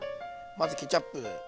まずケチャップ。